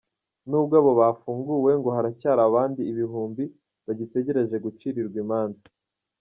Nubwo abo bafunguwe ngo haracyari abandi ibihumbi bagitegereje gucirirwa imanza.